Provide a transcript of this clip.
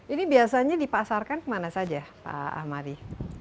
ini biasanya dipasarkan kemana saja pak ahmadi